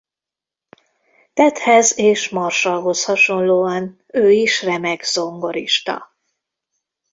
Tedhez és Marshallhoz hasonlóan ő is remek zongorista.